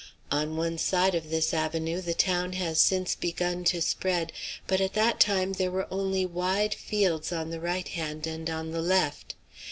On one side of this avenue the town has since begun to spread, but at that time there were only wide fields on the right hand and on the left.